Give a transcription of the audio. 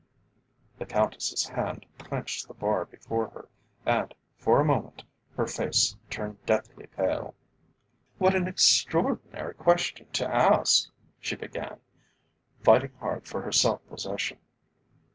The Countess's hand clenched the bar before her, and, for a moment, her face turned deathly pale. "What an extraordinary question to ask," she began, fighting hard for her self possession.